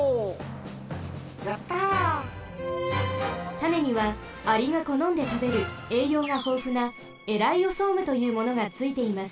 たねにはアリがこのんでたべるえいようがほうふなエライオソームというものがついています。